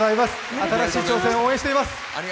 新しい挑戦を応援しています。